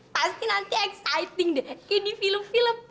pasti nanti exciting deh kayak di film film